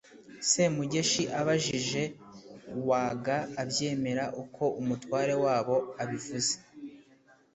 semugeshi abajije waga abyemera uko umutware wabo abivuze.